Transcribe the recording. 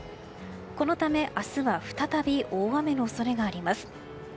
このため、明日は再び大雨の恐れがあります。